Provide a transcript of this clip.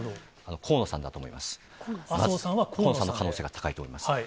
河野さんの可能性が高いと思います。